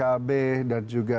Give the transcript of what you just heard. dari pkb dan juga